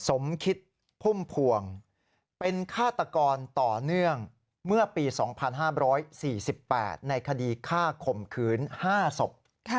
สมคิดพุ่มพวงเป็นฆาตกรต่อเนื่องเมื่อปี๒๕๔๘ในคดีฆ่าข่มขืน๕ศพ